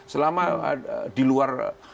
selama di luar